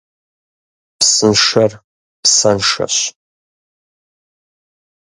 Псыншэр псэншэщ.